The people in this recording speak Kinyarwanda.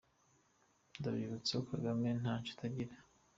Ndabibutsa ko Kagame nta nshuti agira.